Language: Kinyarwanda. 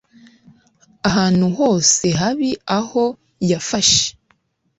ahantu hose habi aho yafashe